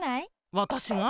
わたしが？